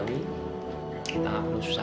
kita gak perlu susah